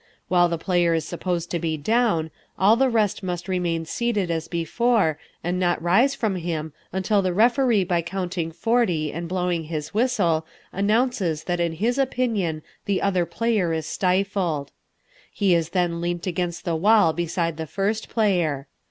While the player is supposed to be down, all the rest must remain seated as before, and not rise from him until the referee by counting forty and blowing his whistle announces that in his opinion the other player is stifled. He is then leant against the wall beside the first player.